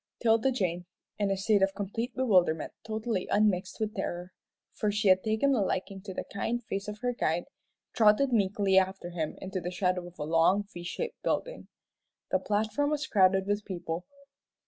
'Tilda Jane, in a state of complete bewilderment totally unmixed with terror, for she had taken a liking to the kind face of her guide, trotted meekly after him into the shadow of a long V shaped building. The platform was crowded with people.